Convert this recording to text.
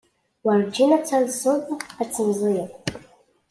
Werjin ad talsed ad timẓiyed.